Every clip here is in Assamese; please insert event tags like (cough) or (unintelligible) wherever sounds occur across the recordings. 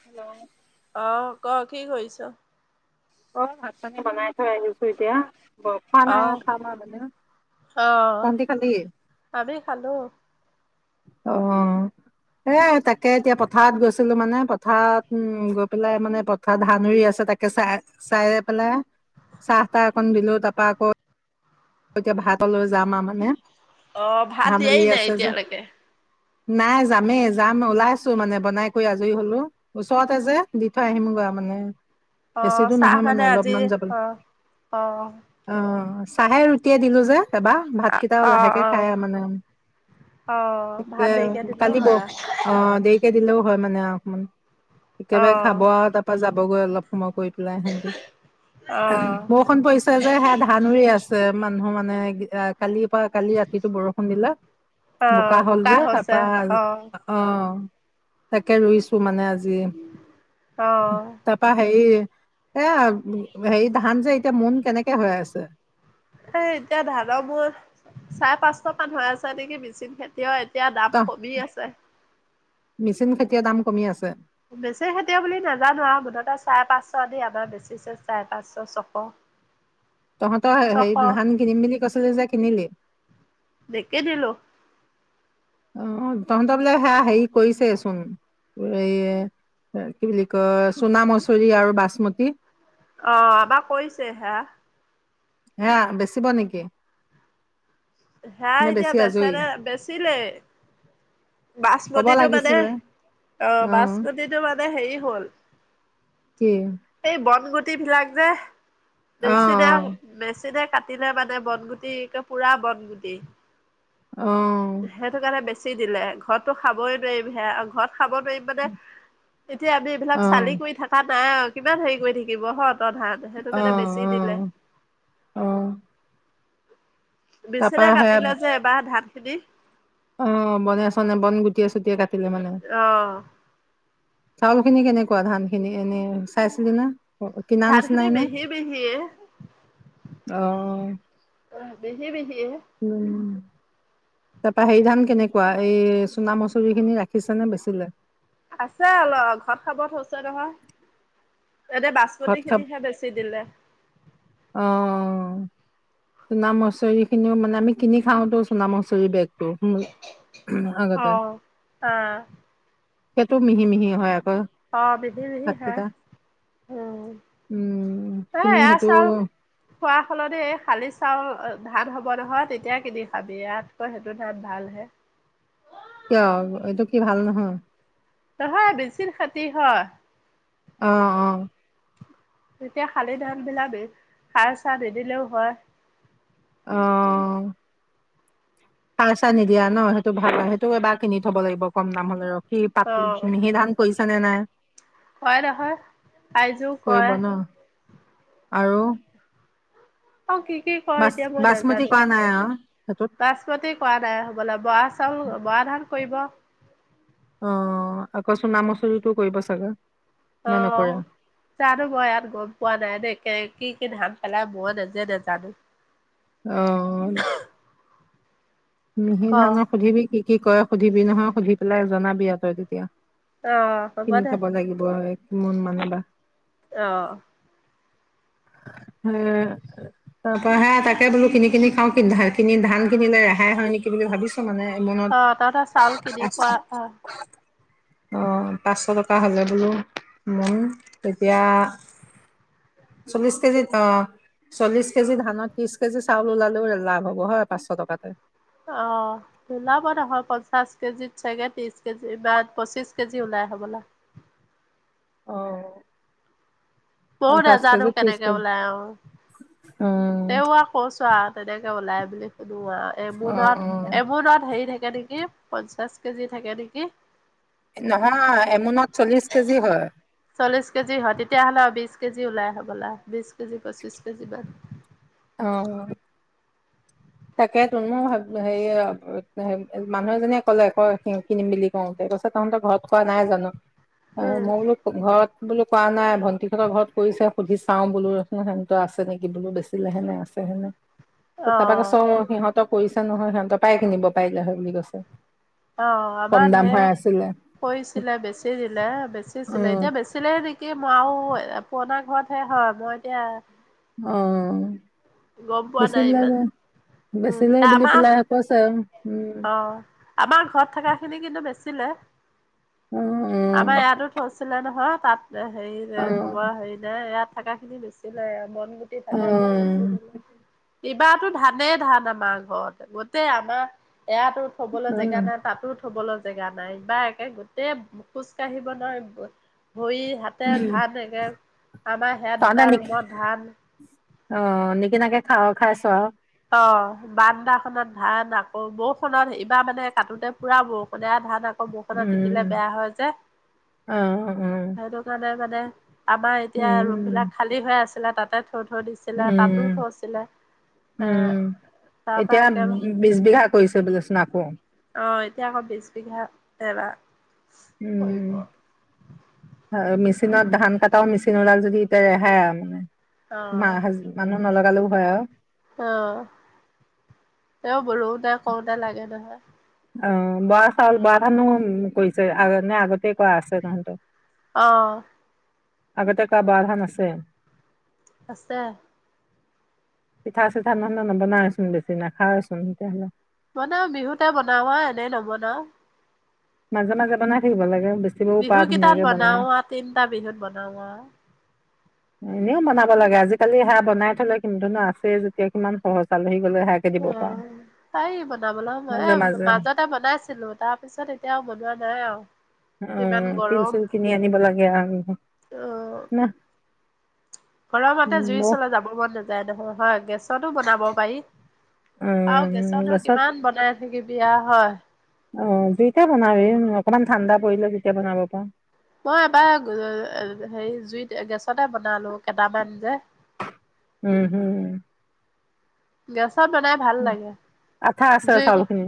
হেল্ল' আহ ক কি কৰিছ অ ভাত পানী বনাই থ ই আহছো এতিয়া খোৱা নাই এতিয়া খাম আহ তহতি খালি আমি খালো অ এ তাকে এতিয়া পথাৰত গৈছিলো মানে পথাৰত উ গৈ পেলাই মানে পথাৰত ধান ৰুই আছে তাকে চাই চাই পেলাই চাহ তাহকণ দিলো তাৰপা আকৌ এতিয়া ভাতলৈ যাম আৰু মানে অ ভাত ধান দিয়াই ৰুই নাই আছে যে এতিয়ালৈকে নাই যামেই যাম ওলাইছো মানে বনাই আজৰি হলো ওচৰৰততে যে দি থৈ আহিমগৈ মানে অ বেছি দূৰ চাহ নহয় মানে আজি অলপমান যাবলৈ অ অ আহ চাহে ৰুটিয়ে দিলো যে এবা ভাতকেইটা অ লাহেকে অ খাই মানে অ তে ভাত দেৰিকে দিলেও কালিব হয় আৰু অ দেৰিকে দিলেও হয় মানে অকমান অ একেবাৰে খাব আৰু তাৰ পৰাা যাবগৈ অলপ সময় কৰি পলাই হে অ বৰষুন পৰিছে যে সেয়া ধান ৰুই আছে মানুহ মানে কালি তপা কালি ৰাতিটো বৰষুণ দিলে অ বোকা হল যে হৈছে তাৰপা অ অ তাকে ৰুইছো মানে আজি অ তাৰপা হেৰি এ হেৰি ধান যে এতিয়া মোন কেনেকে হৈ আছে এ এতিয়া ধানৰ মোৰ চাৰে পাঁচশ মান হৈ আছে নেকি মেচিন খেতি এতিয়া দাম তহ কমি আছে মেচিন খেতিয়ৰ দাম কমি আছে বেছি খেতিও বুলি নাজানো আৰু মুঠতে চাৰে পাঁচশ দ আমাৰ বেচিছে চাৰে পাঁচশ ছশ তহঁতৰ হে ছশ ধান কিনিম পিনি কৈছিলি যে কিনিলি নিকিনিলো অ তহঁত বোলে সেয়া হেৰি কৰিছে চোন এই কি বুলি কয় চোনা মছৰি আৰু বাচম তি অ আমা কৰিছে হেয়া হে বেচিব নেকি হে নে এতিয়া বেছি বেচ আজৰি নে বেচিলে কব বাচমতিটো মানে লাগিছিলে অ বাচমতিটো মানে হেৰি হ'ল কি এই বনগুটি বিলাক যে অ বেছি দে বেছি দে কাটিিলে মানে বন গুটি পুৰা বন গুটি অ সেইটো কাৰণে বেছি দিলে ঘৰতো খাবই নোৱাৰিবি হে আৰু ঘৰত খাব পাৰিম মানে এতিয়া আমি অ এইবিলাক চালি কৰি থাককা নাই আৰু কিমান হেৰি কৰি থাকিব হ প্ৰধান অ সেইটোকে বেছি অ দিলে অ তাৰপা মেচিনে সেয়া কাটিলে যে এবাৰ ধান খিনি অ বনে চনে বন গুটিয় চুটিয় কাটিলে মানে অ' চাউল খিনি কেনেকুৱা ধান খিনি এনে চাইছিলি না কিনা ধান খিনি নিচিনাাইনে মিহি মিহিয়ে আহ অ বিহি বিহি তাৰ পৰাা হেৰি ধান কেনেকুৱা এই চুনা মচৰি খিনি ৰাখিছে নে বেচিলে আছে অলপ ঘৰত খাব থৈছে নহয় এতে ঘৰত বাচমতি খাব খিনিহে বেছি দিলে। অ চুণা মছৰি খিনিও মানে আমি কিনি খাওঁটো চুণা মছৰি বেগ আগতে অ', অ', সেইটো মিহি মিহি হয় আকৌ অ মিহি মিহি হয়। ভাতকেইটা উম উম এ তুমি এয়া সেইটো চাউল খোৱা হলতে এই খালি চাউল ধান হ'ব নহয় তেতিয়া কিনি খাবি ইয়াতকৈ সেইটো ধান ভাল হে কিয় এইটো কি ভাল নহয় নহয় মেচিখেতি হয়। অ অ এতিয়া শালি ধান বিলাক সাৰ চাৰ নিদিলেও হয় অ সাৰ চা নিদিয়া ন সেইটো ভাল হয়। সেইটো এবাৰ কিনি থব লাগিব কম দাম হ'লে ৰহ কি পাতল মিহি ধান কৰিছা নে নাই। কয় নহয় আইজো কৰিব কয় ন আৰু অ কি কি কয় বাচ এতিয়া মই বাচমতি নাজানো। কৰা নাই আৰু সেইটোত বাচমতি কৰা নাই হ'বলা বৰা চাউল বৰা ধান কৰিব। অ আকৌচোন নাম আচৰিটো কৰিব চাগে অ নে নকৰে জানো মই ইয়াত গম পোৱা নাই এনে কি ধান পালে মই নিজে নাজানো অ মিহি ক ধানক সুধিবি কি কি কয় সুধিবি নহয় সুধি পেলাই জনাবিয়া তই তেতিয়া। অ' হ'ব কিনি দে থব লাগিব কিন মানে বা আহ হ তাৰ পৰাহে তাকে বোলো কিনি কিনি খাও কিনি ধান কিনিলে ৰেহাই। হেই হয় নেকি বুলি ভাবিছ মানে মনত। অ' তহঁতৰ চাউল কিনি খোৱা অ' অ পাঁচশ টকা হ'লে বোলো মন তেতিয়া চল্লিশ কেজিৰ আ চল্লিশ কেজি ধানত ত্ৰিশ কেজি চাউল ওলালেও লাভ হব হয় পাঁচশ টকাতে অ লাভ হয় পঞ্চাশ কেজিত চাগে ত্ৰিশ কেজি বা পঁচিশ কেজি ওলাই হ'বলা আহ ময়ো পঞ্চাচ নাজানো কেজি ত্ৰিছ কেজি। অ তেওঁ আৰু কৈছো আৰু তেনেকে ওলাই বুলি শুনো আৰু অ এমোনাত অ নত এমোনাত হেৰি থাকে থাকে নেকি পঞ্চাশ কেজি থাকে নেকি নহয় এমোনত চল্লিশ কেজি হয় চল্লিশ কেজি হয় তেতিয়া হ'লে আৰু বিচ্ছ কেজি ওলাই হ'বলা বিশ কেজি পঁচিশ কেজি মান অ‌ তাকে ত মই ভাব হেৰি মানুহ এজনীয়ে কলে আ কিনিম বুলি কওঁতে। কৈছে তহঁতৰ ঘৰত খোৱা নাই জানো আহ উম। মই বলো ঘৰত বোলো কোৱা নাই ভণ্টিহঁতৰ ঘৰত কৰিছে সুধি চাও বো সেহতোৰ আছে নেকি বোলো বেচিলে হেনে আছে হেনো অ চ সিহঁতক কৰিছে নহয় সিহঁতৰ পায় কিনিব পাৰিলে হয় বুলি কৈছে অ কম দাম (unintelligible) হৈ আছিলে কৈছিলে বেচি দিলে অ বেচিছিলে এতিয়া বেচিলে নেকি মই আৰু পুৰণা ঘৰতহে হয় মই এতিয়া অ গম পোৱা নাই বেচিলে ইমান। যে উম, বেচিলে এ বুলি আমাৰ পেলাই কৈছে উম অ' আমাৰ ঘৰত থকা খিনিক কিন্তু বেচে অ অ আমাৰ ইয়াতো থৈছিলে নহয় তাত হেৰি অ থবৰ হেৰি ন ইয়াত থকা খিনি বেছি লে বন গুটি অ থাক যে কিবাতো ধানেই ধান আমাৰ ঘৰত গোটেই আমাৰ এয়াতো থ'বলৈ অ, জেগা নাই তাতো থ'বলৈ। জেগা নাই বা একে গোটেই খোজ কাঢ়িব নোৱাৰ। ভৰি হাতে উম, ধান একে আমাৰ সেয়া তহঁতে দুটা নি ৰুমত ধান। অ নিকিনাকে খাওঁ খাইছো আ। অ বান্দা খনত ধান আকৌ বৰষুনত এইবাৰ মানে কাটোতে পুৰা বৰষুণে ধান আকৌ। বৰষুণত তিতিলে উম, বেয়া হয় যে অ', উম, সেইটো কাৰণে। মানে আমাৰ এতিয়া ৰুম উম, বিলাক খালী হৈ আছিলে তাতে। থৈ-থৈ দিছিলে তাতো উম, থৈছিলে। এ উম তাৰ পৰা এতিয়া একে বিচ্ছ বিঘা কৰিছে বোলেচোন আকৌ। অ এতিয়া আকৌ বিছ বিঘা এবাৰ কৰিব উম, মেচিনত ধান কটাও মেচিন ওলাল যদি এতিয়া ৰেহাই আৰু মানে মা অ', হাজ মানুহ নলগালেও হয় আৰু। অ এ বলোতোই কওঁতে লাগে নহয় অ বৰা চাউল বৰা ধানো কৰিছে আ নে। আগতে কৰা আছে তহঁতৰ। আহ। আগতে ক আ বাৰহা নছেে আছে। পিঠা চিঠা নন নবনাইচোন বেছি নাখাওচোন তেতিয়াহ'লে। বনাও বিহুতে বনাও এনেই নবনাও। মাজে মাজে বনাই থাকিব লাগে। বেচিবও বিহু পাৰা কেইটাত ধুনীয়াকে বনাই বনাও তিনটা বিহুত বনাও এনেও বনাব লাগে আজিকালি হাহ বনাই থলে কিন্তুনো আছে যেতিয়া কিমান সহজ আলহী হেয়াকে দিব পাৰ। অ', পাৰি বনাবলৈ সময় এ মাজতে বনাইছিলো। তাৰ পিছত এতিয়াও বনোৱা নাই আৰু। ইমান আমজ গৰম তিলচিল কিনি আনিব লাগে আৰু অ', না গৰমতে জুই চলে যাব মন নাযায় নহয় হয় গেছতো বনাব পাৰি। আৰুও উম গেছা নৰ গছত কিমান বনাই থাকি বিয়া হয় অ যেইতিয়া বনাবি অকমান ঠাণ্ডা পৰিলে যেতিয়া বনাব পাৰওঁ মই এবাৰ হেৰি জুইত গেছ। পাছতে বনালো কেইটামান যে উম হম গেছত বনাই ভাল লাগে আঠা আছে জুই চাউল খিনি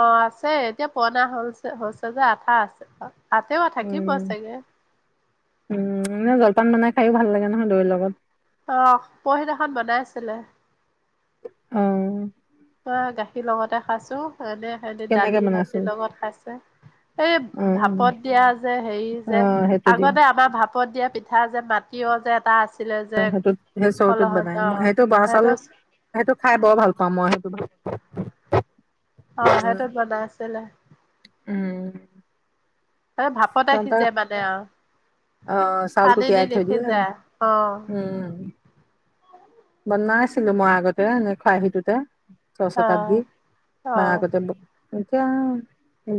অ আছে। ছে এতিয়া পুৰনা হৈছে হৈছে যে আঠা আছে আতেও থাকিব উম চাগে। উম এ জলপান বনাই খাইো ভাল লাগে নহয় দৈৰ লগত আহ পৰহিদিনাখন বনাই আছিলে অ অ গাখীৰ লগতে খাইছো এনে সনে কেনেকে দালি বনাইছো ভাজিৰ লগত খাইছে। এই অ ভাপত দিয়া যে হেৰি অ যে সেইটো দি আগতে আমাৰ ভাপত দিয়া। পিঠা যে বাটিও যে এটা আছে। সেইটোত সেই চৰুটোত বনাই সেইটো বৰা চাউল সেইটো খাই বৰ ভাল কামই সেইটো। অ সেইটোত বনাই আছিলে উম এ ভাপত আহ তহঁতৰ সিজে মানে আৰু অ' চাউলটো পানী দি তিয়াই থৈ দেখি দিয়ে। যা আহ উম, বনাইছিলো মই আগতে এনে খৰাহিটোতে ছ অ শতাব্দী ন অ। আগতে এতিয়া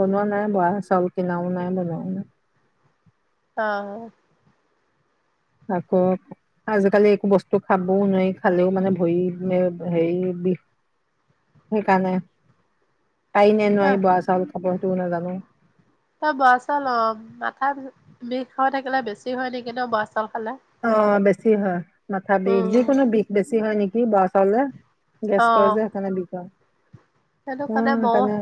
বনোৱা নাই বোৱা চাউল কিনাও নাই বনাও নাই আহ আকৌ, আজিকালি একো বস্তু খাবও নোৱাৰি খালেও মানে ভৰি মানে হেৰি সেইকাৰণে তাই নে নোৱাৰি বোৱা চাউল খাপ সেইটোও নাজানো অ', বৰা চাউল অ', মাথা বিষ হৈ থাকিলে বেছি হয় নেকি ন বোৱা চাউল খালে অ' বেছি হয় মাথা বিষ উম, যিকোনো বিষ বেছি হয় নেকি বোৱা হলে গেছ কৰা যায় সেইকাৰণে বিষ হয় সটো কালে উম ব সেইকাৰণে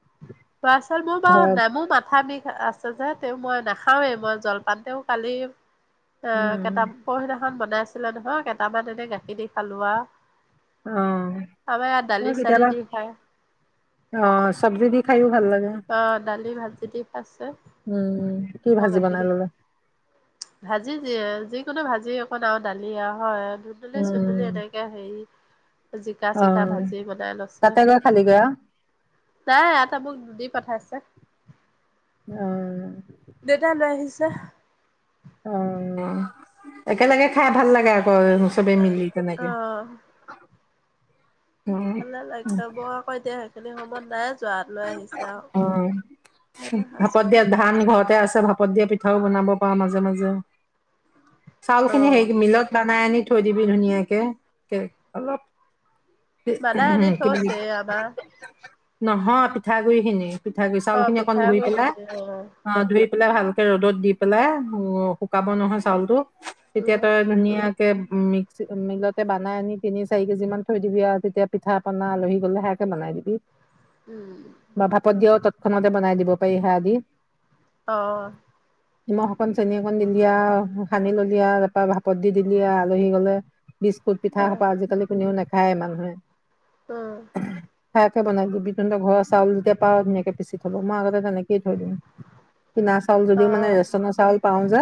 (unintelligible) তছল মোৰ বা হয় নেমু মাথা আম আছে যে (unintelligible) তে মই নাখাওৱে। মই জলপান তেও কালি অ উম কেইটা পহি না খন বনাইছিলে নহয়। কেইটামান এনে গাখীৰ দি খালো আ। অ' তাৰপৰা ইয়াত মই দালি-চালি কেতিয়াবা দি খায়। অ চব্জি দি খাই ভাল লাগে অ', দালি ভাজি দি খাইছে উম উম কি অ', ভাজি গাখীৰ বনাই দি ললে ভাজি যিয় যিকোনো ভাজি অকণ আৰু দালি হয় ধুন্দুলি চুন্দুলি এনেকে হেৰি জিকা অ চিকা ভাজি বনাই লৈছে তাতে গৈ খালিগৈ আও তাই এটা মোক দি পঠাইছে উম দেউতা (unintelligible) অ একেলগে খাই ভাল লাগে আৰু হয়, চবেই মিলি অ তেনেকে। অ ভালে লাগদ বৌ আকৌ এতিয়া সেইখিনি সময়ত নাই যোৱহাট লৈ আহিছে আৰু অ এটা খাইছো ভাপত দিয়া ধান ঘৰতে আছে ভাপ ত দিয়া পিঠাও বনাব পাৰ মাজে মাজে চাউল অ খিনি মিলত আনি থৈ দিবি ধুনীয়াকে কেক অলপ মাদাই আনি থৈছে আমাৰ নহয় পিঠাগুৰি খিনি পিঠা গু়ৰি অ চাউল খিনি অকণ ধুই পিঠাগুৰি পেলাই খিনি অ ধুই পেলাই ভালকে ৰ'দত দি পেলাই শুকাব নহয় চাউলটো তেতিয়া উম তই ধুনীয়া মিক্স মিলতে বনাই আনি তিনি চাৰি কেজি মান থৈ দিবি আৰু তেতিয়া পিঠা পনা আলহী গলে সেয়াকে বনাই দিবি উম বা ভাপত দিয়াও খনতে বনাই দিব পাৰিহা আদি অ নিমখ অকণ চেনি অকণ দিলিয়া সানি ললিয়া তাৰপা ভাপত দি দিলিয় আলহী গলে বিস্কুট অ পিঠাসোপা আজিকালিও নাখায় মানুহে উম খাকে বনাই দিবি। তেন্ত ঘৰৰ চাউল যেতিয়া পাও ধুনীয়াকে পিচি থ'ব। মই আগতে তেনেকেইে থৈ দিও। কিনা চাউল অ অ যদিও মানে ৰেচনৰ চাউল পাওঁ যে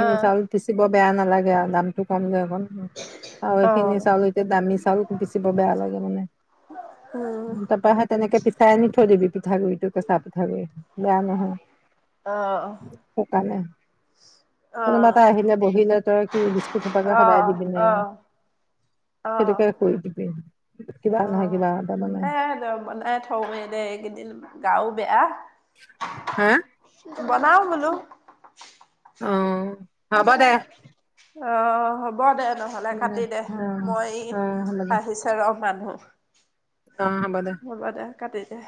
অ উম চাউল পিচিব বেয়া নালাগে আৰু দামতটো কম যে অকণ আৰু অ অ এইখিনি চাউল এতিয়া দামী চাউল পিচিব বেয়া লাগে মানে তাৰপৰা সে তেনেকে পিচি চাই আনি থৈ দিবি পিঠাগুৰি টো কচাপিঠাৱি বয়া নহয় শুকালে অঁহ বহিলে তই কি বিস্কুট সোপাকে অঁহ সদায় দিবি নে অহ অ কৈ দিবি কিবা নহয় কিবা এটা বনাই অ' এ তে বনাই থওঁ দে এইকেইদিন গাও বেয়া। হা বনাও বোলো অ জ। হ'ব দে অ হব হ'ব দে নহ'লে অ কাটি দে, মই অ হ'ব দে আহিছে ৰহ মানুহ। অ' হ'ব দে। কাটিদে।